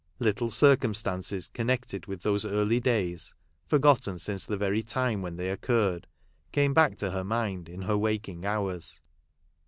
Little circumstances connected with those early days, forgotten since the very time when they occurred, came back to her mind, in her waking hours.